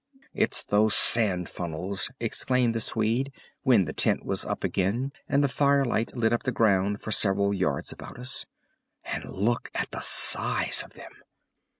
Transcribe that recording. "It's those sand funnels," exclaimed the Swede, when the tent was up again and the firelight lit up the ground for several yards about us. "And look at the size of them!"